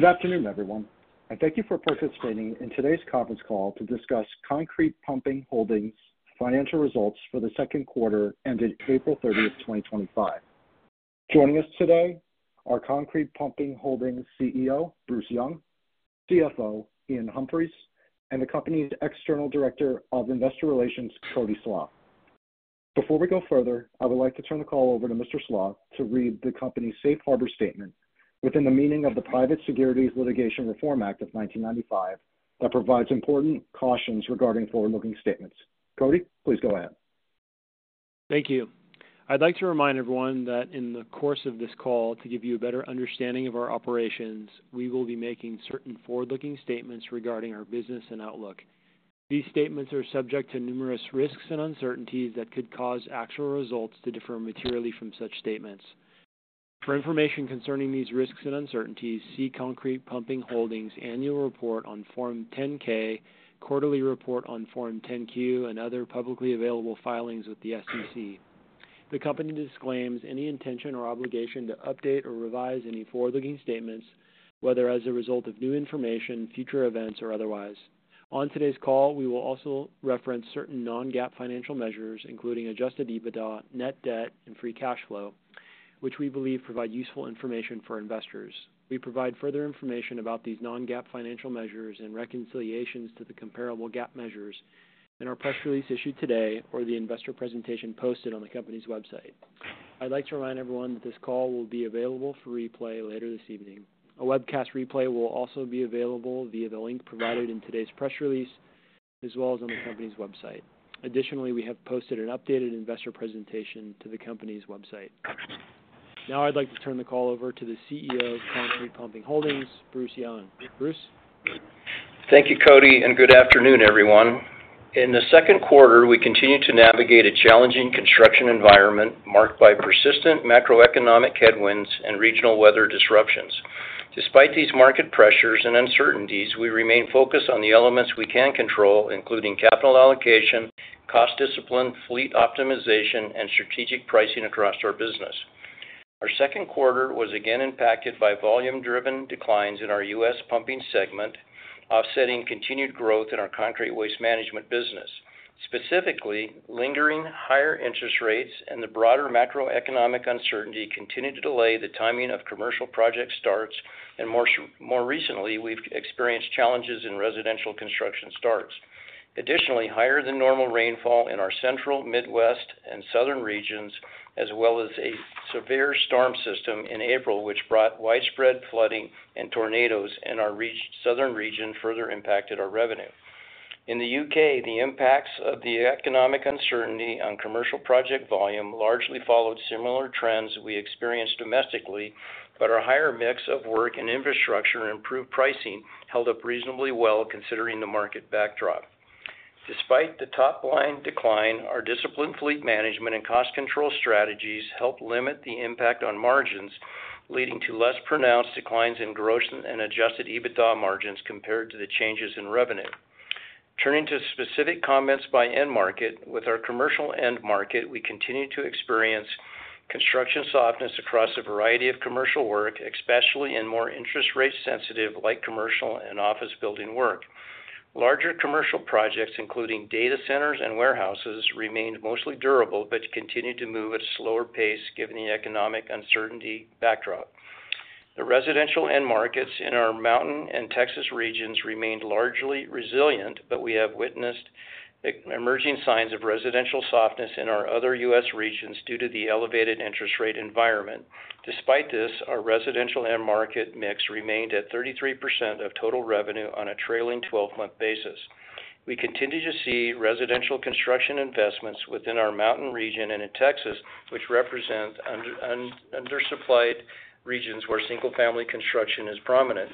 Good afternoon, everyone. I thank you for participating in today's conference call to discuss Concrete Pumping Holdings' financial results for the second quarter ended April 30, 2025. Joining us today are Concrete Pumping Holdings' CEO, Bruce Young, CFO, Iain Humphries, and the company's External director of investor relations, Cody Slach. Before we go further, I would like to turn the call over to Mr. Slach to read the company's safe harbor statement within the meaning of the Private Securities Litigation Reform Act of 1995 that provides important cautions regarding forward-looking statements. Cody, please go ahead. Thank you. I'd like to remind everyone that in the course of this call, to give you a better understanding of our operations, we will be making certain forward-looking statements regarding our business and outlook. These statements are subject to numerous risks and uncertainties that could cause actual results to differ materially from such statements. For information concerning these risks and uncertainties, see Concrete Pumping Holdings' annual report on Form 10-K, quarterly report on Form 10-Q, and other publicly available filings with the SEC. The company disclaims any intention or obligation to update or revise any forward-looking statements, whether as a result of new information, future events, or otherwise. On today's call, we will also reference certain non-GAAP financial measures, including adjusted EBITDA, net debt, and free cash flow, which we believe provide useful information for investors. We provide further information about these non-GAAP financial measures and reconciliations to the comparable GAAP measures in our press release issued today or the investor presentation posted on the company's website. I'd like to remind everyone that this call will be available for replay later this evening. A webcast replay will also be available via the link provided in today's press release, as well as on the company's website. Additionally, we have posted an updated investor presentation to the company's website. Now, I'd like to turn the call over to the CEO of Concrete Pumping Holdings, Bruce Young. Bruce? Thank you, Cody, and good afternoon, everyone. In the second quarter, we continue to navigate a challenging construction environment marked by persistent macroeconomic headwinds and regional weather disruptions. Despite these market pressures and uncertainties, we remain focused on the elements we can control, including capital allocation, cost discipline, fleet optimization, and strategic pricing across our business. Our second quarter was again impacted by volume-driven declines in our U.S. pumping segment, offsetting continued growth in our concrete waste management business. Specifically, lingering higher interest rates and the broader macroeconomic uncertainty continue to delay the timing of commercial project starts, and more recently, we've experienced challenges in residential construction starts. Additionally, higher than normal rainfall in our central, Midwest, and southern regions, as well as a severe storm system in April, which brought widespread flooding and tornadoes in our southern region, further impacted our revenue. In the U.K., the impacts of the economic uncertainty on commercial project volume largely followed similar trends we experienced domestically, but our higher mix of work in infrastructure and improved pricing held up reasonably well, considering the market backdrop. Despite the top-line decline, our disciplined fleet management and cost control strategies helped limit the impact on margins, leading to less pronounced declines in gross and adjusted EBITDA margins compared to the changes in revenue. Turning to specific comments by end market, with our commercial end market, we continue to experience construction softness across a variety of commercial work, especially in more interest rate-sensitive, like commercial and office building work. Larger commercial projects, including data centers and warehouses, remained mostly durable but continue to move at a slower pace, given the economic uncertainty backdrop. The residential end markets in our mountain and Texas regions remained largely resilient, but we have witnessed emerging signs of residential softness in our other U.S. regions due to the elevated interest rate environment. Despite this, our residential end market mix remained at 33% of total revenue on a trailing 12-month basis. We continue to see residential construction investments within our mountain region and in Texas, which represent undersupplied regions where single-family construction is prominent.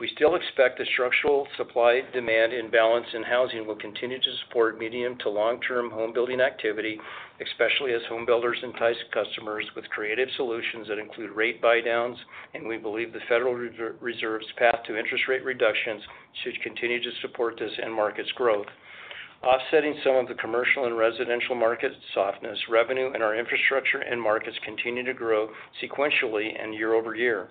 We still expect the structural supply-demand imbalance in housing will continue to support medium to long-term home building activity, especially as home builders entice customers with creative solutions that include rate buy-downs, and we believe the Federal Reserve's path to interest rate reductions should continue to support this end market's growth. Offsetting some of the commercial and residential market softness, revenue in our infrastructure end markets continues to grow sequentially and year-over-year.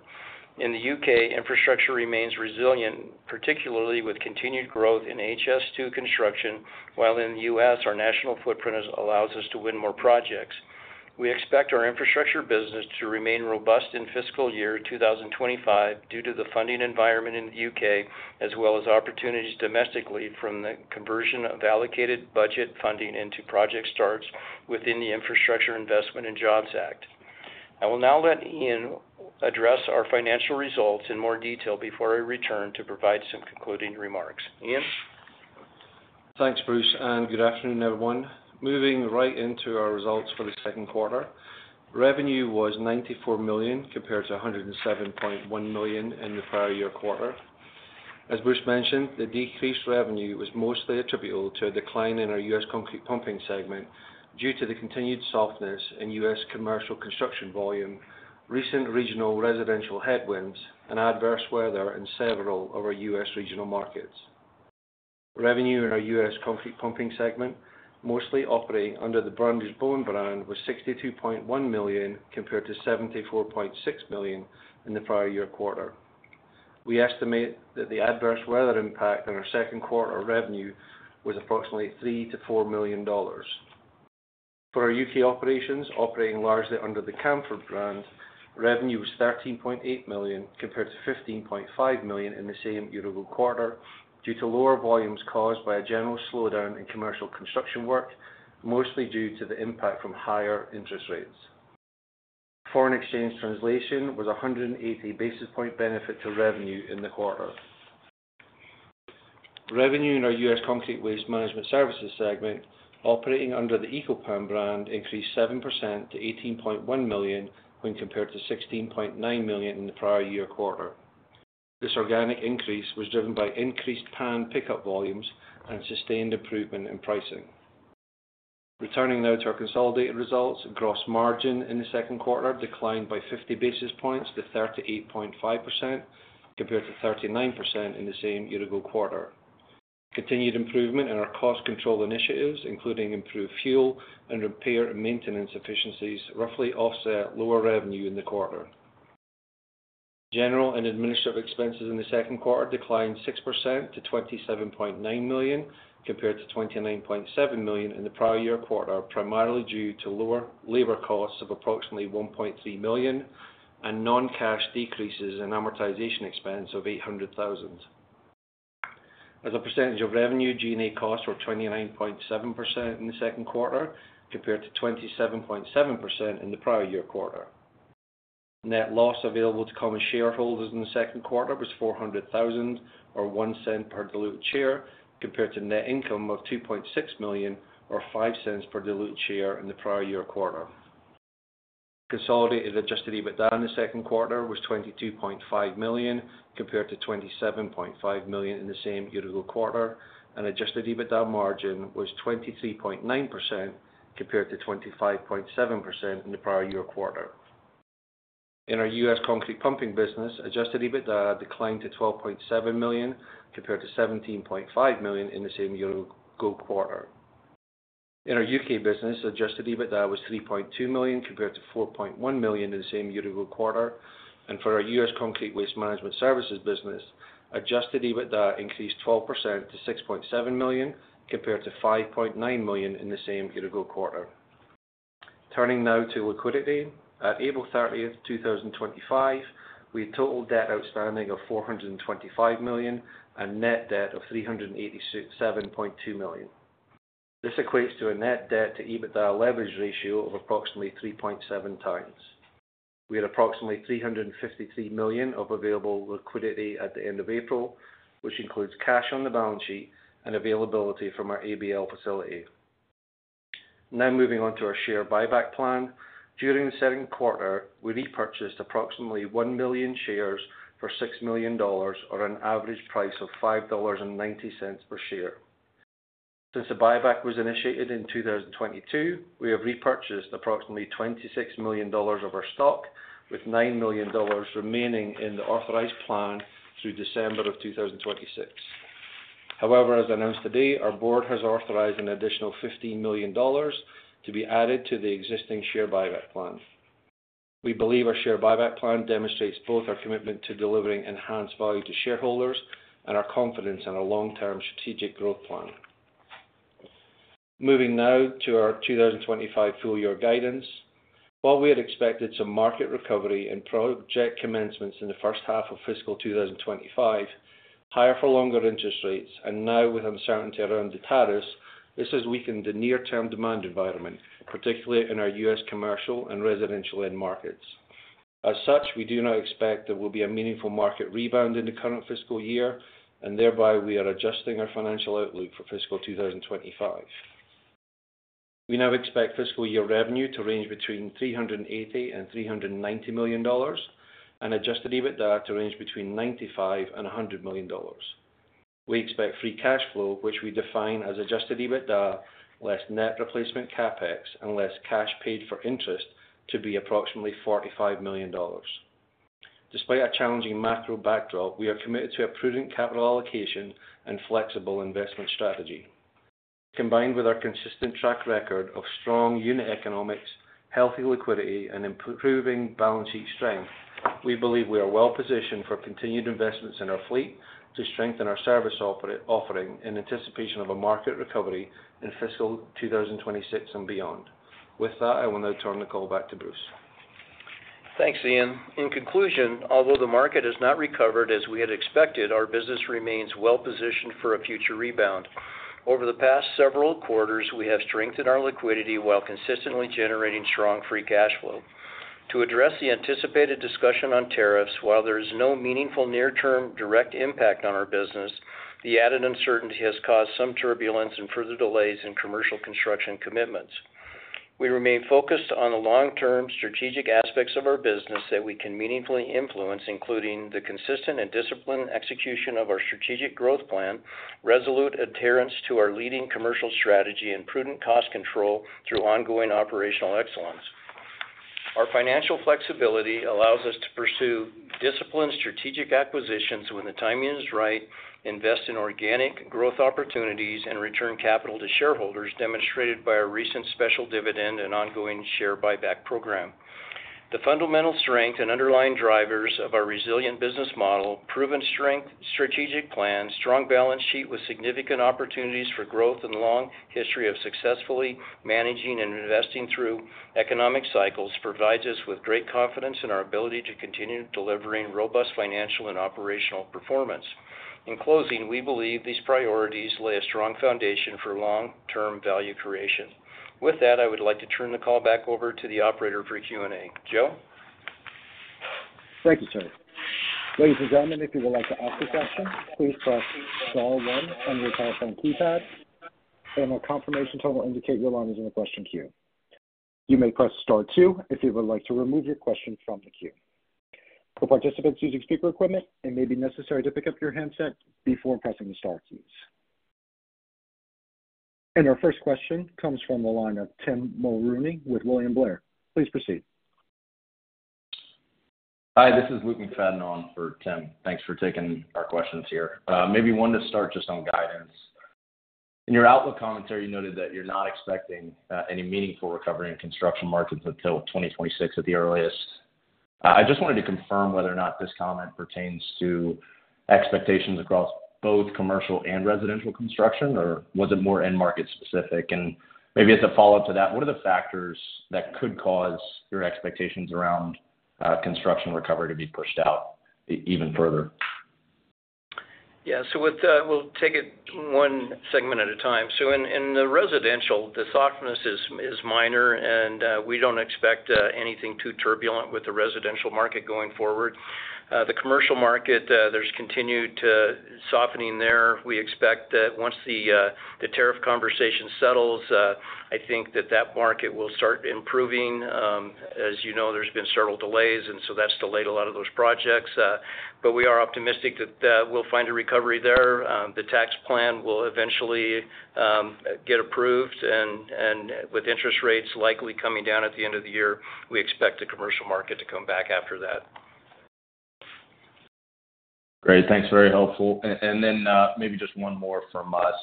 In the U.K., infrastructure remains resilient, particularly with continued growth in HS2 construction, while in the U.S., our national footprint allows us to win more projects. We expect our infrastructure business to remain robust in fiscal year 2025 due to the funding environment in the U.K., as well as opportunities domestically from the conversion of allocated budget funding into project starts within the Infrastructure Investment and Jobs Act. I will now let Iain address our financial results in more detail before I return to provide some concluding remarks. Iain? Thanks, Bruce, and good afternoon, everyone. Moving right into our results for the second quarter, revenue was $94 million compared to $107.1 million in the prior year quarter. As Bruce mentioned, the decreased revenue was mostly attributable to a decline in our U.S. concrete pumping segment due to the continued softness in U.S. commercial construction volume, recent regional residential headwinds, and adverse weather in several of our U.S. regional markets. Revenue in our U.S. concrete pumping segment, mostly operating under the Brundage-Bone brand, was $62.1 million compared to $74.6 million in the prior year quarter. We estimate that the adverse weather impact on our second quarter revenue was approximately $3-$4 million. For our U.K. operations, operating largely under the Camfaud brand, revenue was 13.8 million compared to 15.5 million in the same year-over-year quarter due to lower volumes caused by a general slowdown in commercial construction work, mostly due to the impact from higher interest rates. Foreign exchange translation was a 180 basis point benefit to revenue in the quarter. Revenue in our U.S. concrete waste management services segment, operating under the Eco-Pan brand, increased 7% to $18.1 million when compared to $16.9 million in the prior year quarter. This organic increase was driven by increased pan pickup volumes and sustained improvement in pricing. Returning now to our consolidated results, gross margin in the second quarter declined by 50 basis points to 38.5% compared to 39% in the same year-over-year quarter. Continued improvement in our cost control initiatives, including improved fuel and repair and maintenance efficiencies, roughly offset lower revenue in the quarter. General and administrative expenses in the second quarter declined 6% to $27.9 million compared to $29.7 million in the prior year quarter, primarily due to lower labor costs of approximately $1.3 million and non-cash decreases in amortization expense of $800,000. As a percentage of revenue, G&A costs were 29.7% in the second quarter compared to 27.7% in the prior year quarter. Net loss available to common shareholders in the second quarter was $400,000 or $0.01 per diluted share compared to net income of $2.6 million or $0.05 per diluted share in the prior year quarter. Consolidated adjusted EBITDA in the second quarter was $22.5 million compared to $27.5 million in the same year-over-year quarter, and adjusted EBITDA margin was 23.9% compared to 25.7% in the prior year quarter. In our U.S. concrete pumping business, adjusted EBITDA declined to $12.7 million compared to $17.5 million in the same year-over-year quarter. In our U.K. business, adjusted EBITDA was 3.2 million compared to 4.1 million in the same year-over-year quarter, and for our U.S. concrete waste management services business, adjusted EBITDA increased 12% to $6.7 million compared to $5.9 million in the same year-over-year quarter. Turning now to liquidity, at April 30th, 2025, we had total debt outstanding of $425 million and net debt of $387.2 million. This equates to a net debt-to-EBITDA leverage ratio of approximately 3.7 times. We had approximately $353 million of available liquidity at the end of April, which includes cash on the balance sheet and availability from our ABL facility. Now moving on to our share buyback plan, during the second quarter, we repurchased approximately 1 million shares for $6 million, or an average price of $5.90 per share. Since the buyback was initiated in 2022, we have repurchased approximately $26 million of our stock, with $9 million remaining in the authorized plan through December of 2026. However, as announced today, our board has authorized an additional $15 million to be added to the existing share buyback plan. We believe our share buyback plan demonstrates both our commitment to delivering enhanced value to shareholders and our confidence in our long-term strategic growth plan. Moving now to our 2025 full-year guidance, while we had expected some market recovery and project commencements in the first half of fiscal 2025, higher-for-longer interest rates, and now with uncertainty around the tariffs, this has weakened the near-term demand environment, particularly in our U.S. commercial and residential end markets. As such, we do not expect there will be a meaningful market rebound in the current fiscal year, and thereby we are adjusting our financial outlook for fiscal 2025. We now expect fiscal year revenue to range between $380 million and $390 million and adjusted EBITDA to range between $95 million and $100 million. We expect free cash flow, which we define as adjusted EBITDA less net replacement CapEx and less cash paid for interest, to be approximately $45 million. Despite a challenging macro backdrop, we are committed to a prudent capital allocation and flexible investment strategy. Combined with our consistent track record of strong unit economics, healthy liquidity, and improving balance sheet strength, we believe we are well positioned for continued investments in our fleet to strengthen our service offering in anticipation of a market recovery in fiscal 2026 and beyond. With that, I will now turn the call back to Bruce. Thanks, Iain. In conclusion, although the market has not recovered as we had expected, our business remains well positioned for a future rebound. Over the past several quarters, we have strengthened our liquidity while consistently generating strong free cash flow. To address the anticipated discussion on tariffs, while there is no meaningful near-term direct impact on our business, the added uncertainty has caused some turbulence and further delays in commercial construction commitments. We remain focused on the long-term strategic aspects of our business that we can meaningfully influence, including the consistent and disciplined execution of our strategic growth plan, resolute adherence to our leading commercial strategy, and prudent cost control through ongoing operational excellence. Our financial flexibility allows us to pursue disciplined strategic acquisitions when the timing is right, invest in organic growth opportunities, and return capital to shareholders, demonstrated by our recent special dividend and ongoing share buyback program. The fundamental strength and underlying drivers of our resilient business model: proven strength, strategic plan, strong balance sheet with significant opportunities for growth, and long history of successfully managing and investing through economic cycles provides us with great confidence in our ability to continue delivering robust financial and operational performance. In closing, we believe these priorities lay a strong foundation for long-term value creation. With that, I would like to turn the call back over to the operator for Q&A. Joe? Thank you, sir. Ladies and gentlemen, if you would like to ask a question, please press star one on your telephone keypad, and a confirmation tone will indicate your line is in the question queue. You may press star two if you would like to remove your question from the queue. For participants using speaker equipment, it may be necessary to pick up your handset before pressing the star keys. Our first question comes from the line of Tim Mulrooney with William Blair. Please proceed. Hi, this is Luke McFadden, on for Tim. Thanks for taking our questions here. Maybe one to start just on guidance. In your outlook commentary, you noted that you're not expecting any meaningful recovery in construction markets until 2026 at the earliest. I just wanted to confirm whether or not this comment pertains to expectations across both commercial and residential construction, or was it more end market specific? Maybe as a follow-up to that, what are the factors that could cause your expectations around construction recovery to be pushed out even further? Yeah, so we'll take it one segment at a time. In the residential, the softness is minor, and we do not expect anything too turbulent with the residential market going forward. The commercial market, there is continued softening there. We expect that once the tariff conversation settles, I think that that market will start improving. As you know, there have been several delays, and that has delayed a lot of those projects. We are optimistic that we will find a recovery there. The tax plan will eventually get approved, and with interest rates likely coming down at the end of the year, we expect the commercial market to come back after that. Great. Thanks. Very helpful. Maybe just one more from us.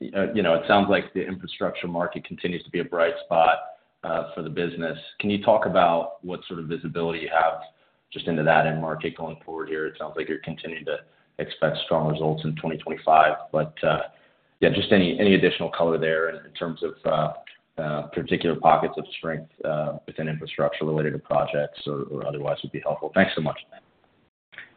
It sounds like the infrastructure market continues to be a bright spot for the business. Can you talk about what sort of visibility you have just into that end market going forward here? It sounds like you're continuing to expect strong results in 2025. Yeah, just any additional color there in terms of particular pockets of strength within infrastructure related to projects or otherwise would be helpful. Thanks so much.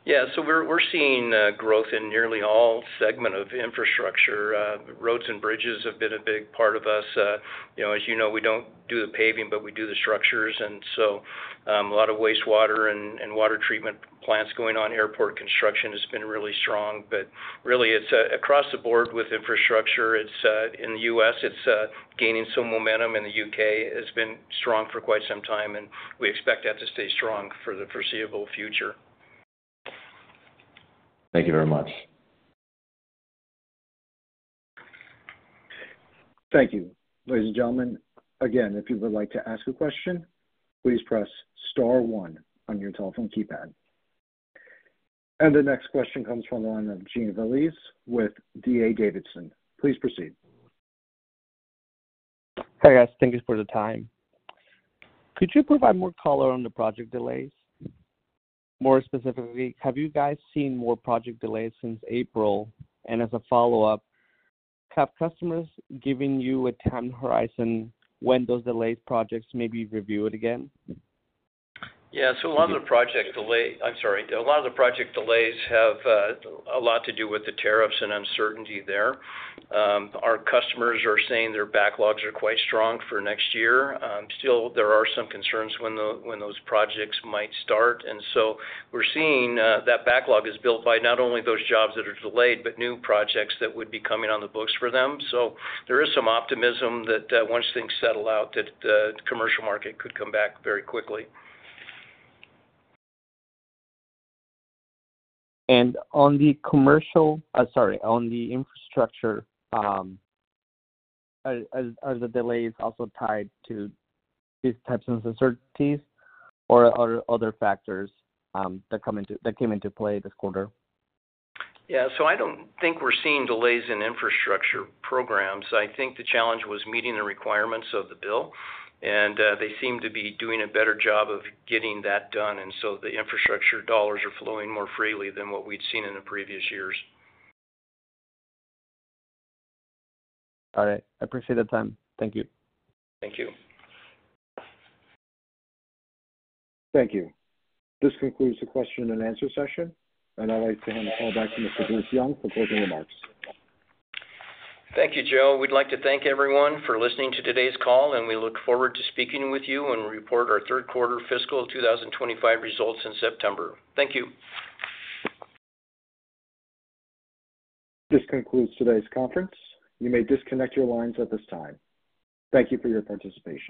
Yeah, so we're seeing growth in nearly all segments of infrastructure. Roads and bridges have been a big part of us. As you know, we don't do the paving, but we do the structures. And so a lot of wastewater and water treatment plants going on, airport construction has been really strong. Really, it's across the board with infrastructure. In the U.S., it's gaining some momentum. In the U.K., it's been strong for quite some time, and we expect that to stay strong for the foreseeable future. Thank you very much. Thank you. Ladies and gentlemen, again, if you would like to ask a question, please press star one on your telephone keypad. The next question comes from the line of Jean Veliz with D.A. Davidson. Please proceed. Hi guys, thank you for the time. Could you provide more color on the project delays? More specifically, have you guys seen more project delays since April? As a follow-up, have customers given you a time horizon when those delayed projects may be reviewed again? Yeah, so a lot of the project delay—I'm sorry—a lot of the project delays have a lot to do with the tariffs and uncertainty there. Our customers are saying their backlogs are quite strong for next year. Still, there are some concerns when those projects might start. We're seeing that backlog is built by not only those jobs that are delayed, but new projects that would be coming on the books for them. There is some optimism that once things settle out, the commercial market could come back very quickly. On the commercial—sorry—on the infrastructure, are the delays also tied to these types of uncertainties or other factors that came into play this quarter? Yeah, so I don't think we're seeing delays in infrastructure programs. I think the challenge was meeting the requirements of the bill, and they seem to be doing a better job of getting that done. The infrastructure dollars are flowing more freely than what we'd seen in the previous years. All right. I appreciate the time. Thank you. Thank you. Thank you. This concludes the question and answer session, and I'd like to hand the call back to Mr. Bruce Young for closing remarks. Thank you, Joe. We'd like to thank everyone for listening to today's call, and we look forward to speaking with you when we report our third-quarter fiscal 2025 results in September. Thank you. This concludes today's conference. You may disconnect your lines at this time. Thank you for your participation.